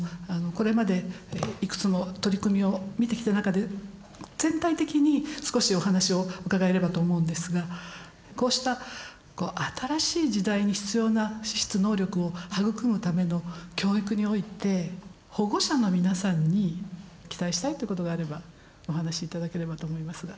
これまでいくつも取り組みを見てきた中で全体的に少しお話を伺えればと思うんですがこうしたこう新しい時代に必要な資質能力を育むための教育において保護者の皆さんに期待したいということがあればお話し頂ければと思いますが。